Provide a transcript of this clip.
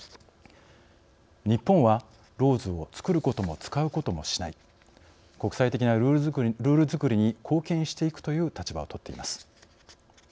日本はＬＡＷＳを造ることも使うこともしない国際的なルールづくりに貢献していくという立場をとっています。